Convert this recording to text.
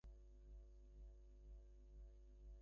ঘুম ভাঙিয়াই উদয়াদিত্যকে দেখিয়া ভাবিলেন, বুঝি ভোর হইয়াছে।